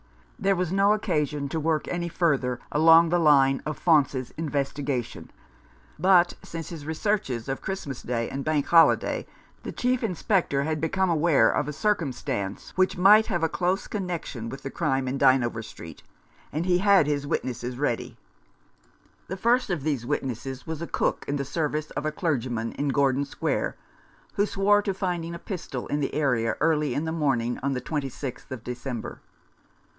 There was no occasion to work 149 Rough Justice. any further along the line of Faunce's investiga tion ; but since his researches of Christmas Day and Bank Holiday the Chief Inspector had become aware of a circumstance which might have a close connection with the crime in Dynevor Street ; and he had his witnesses ready, The first of these witnesses was a cook in the service of a clergyman in Gordon Square, who swore to finding a pistol in the area early in the morning on the 26th of December.